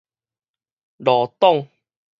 老懂